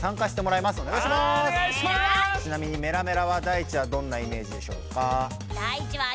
ちなみにメラメラはダイチはどんなイメージでしょうか？